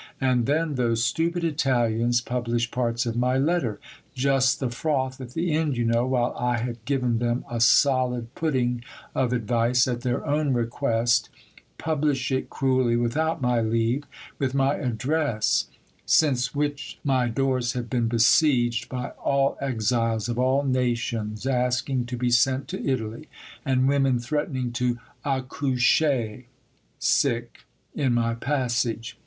And then those stupid Italians publish parts of my letter just the froth at the end, you know, while I had given them a solid pudding of advice at their own request publish it cruelly, without my leave, with my address since which my doors have been besieged by all exiles of all nations asking to be sent to Italy, and women threatening to "accoucher" in my passage.